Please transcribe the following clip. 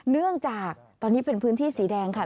เนื่องจากตอนนี้เป็นพื้นที่สีแดงค่ะ